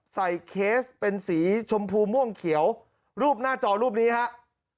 เคสเป็นสีชมพูม่วงเขียวรูปหน้าจอรูปนี้ครับ